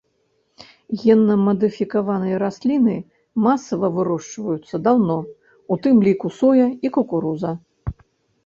Генна-мадыфікаваныя расліны масава вырошчваюцца даўно, у тым ліку соя і кукуруза.